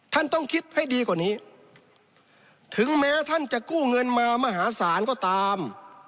ท่านต้องคิดให้ดีกว่านี้ถึงแม้ท่านจะกู้เงินมามหาศาลก็ตาม